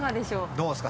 どうですか？